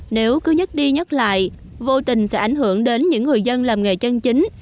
nếu cứ nhắc đi nhắc lại vô tình sẽ ảnh hưởng đến những người dân làm nghề chân chính